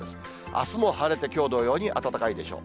あすも晴れて、きょう同様に暖かいでしょう。